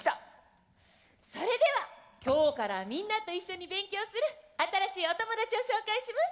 それでは今日からみんなと一緒に勉強する新しいお友達を紹介します。